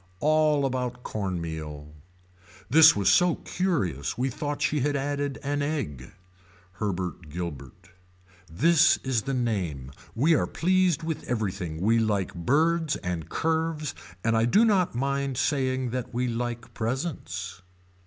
All about corn meal. This was so curious we thought she had added an egg. Herbert Guilbert. This is the name. We are pleased with everything. We like birds and curves and I do not mind saying that we like presents.